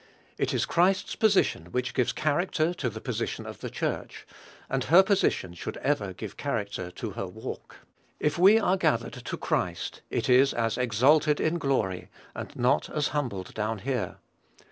It is Christ's position which gives character to the position of the Church, and her position should ever give character to her walk. If we are gathered to Christ, it is as exalted in glory, and not as humbled down here.